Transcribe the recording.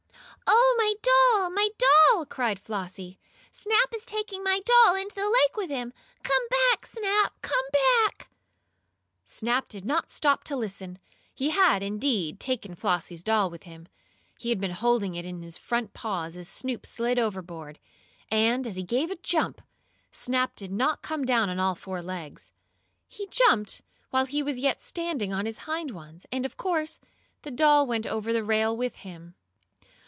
"Oh, my doll! My doll!" cried Flossie. "Snap is taking my doll into the lake with him! Come back, Snap! Come back!" Snap did not stop to listen. He had, indeed, taken Flossie's doll with him. He had been holding it on his front paws as Snoop slid overboard, and, as he gave a jump, Snap did not come down on all four legs. He jumped while he was yet standing on his hind ones, and of course the doll went over the rail with him.